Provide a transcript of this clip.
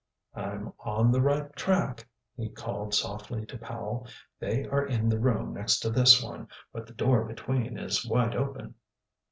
"I'm on the right track," he called softly to Powell. "They are in the room next to this one, but the door between is wide open."